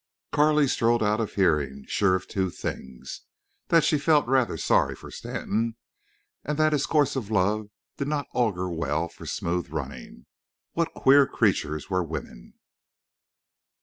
Carley strolled out of hearing, sure of two things—that she felt rather sorry for Stanton, and that his course of love did not augur well for smooth running. What queer creatures were women!